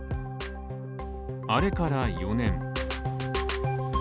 あれから４年。